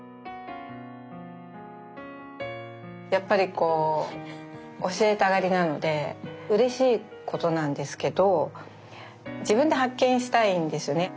やっぱりこう教えたがりなのでうれしいことなんですけど自分で発見したいんですよね。